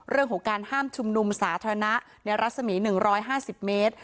เรื่องของการห้ามชุมนุมสาธารณะในรัศมี๑๕๐เมตร